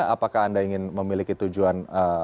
apakah anda ingin memiliki tujuan